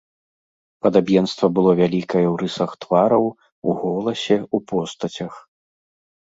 Падабенства было вялікае ў рысах твараў, у голасе, у постацях.